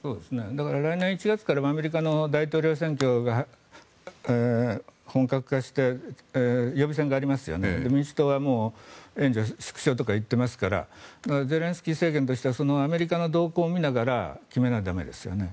来年１月からアメリカの大統領選挙が本格化して予備選がありますよね、民主党は援助縮小とか言っていますからゼレンスキー政権としてはアメリカの動向を見ながら決めないと駄目ですよね。